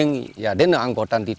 kami tidak tahu apa yang akan terjadi